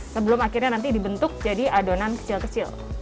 sebelum akhirnya nanti dibentuk jadi adonan kecil kecil